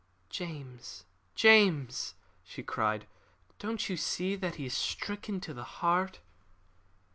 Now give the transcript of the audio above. "James, James!" she cried. "Don't you see that he is stricken to the heart?"